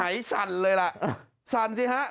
สั่นเลยล่ะสั่นสิฮะ